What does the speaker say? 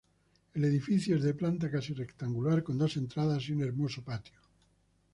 El edificio es de planta casi rectangular, con dos entradas y un hermoso patio.